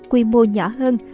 quy mô nhỏ hơn